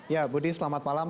ya budi selamat malam